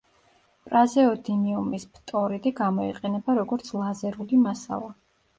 პრაზეოდიმიუმის ფტორიდი გამოიყენება როგორც ლაზერული მასალა.